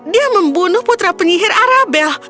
dia membunuh putra penyihir arabel